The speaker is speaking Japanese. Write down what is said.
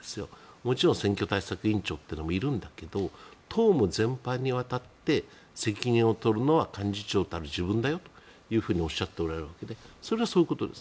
もちろん選挙対策委員長というのもいるんだけど党務全般にわたって責任を取るのは幹事長たる自分だよとおっしゃっておられるのでそれはそういうことです。